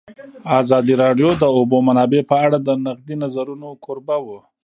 ازادي راډیو د د اوبو منابع په اړه د نقدي نظرونو کوربه وه.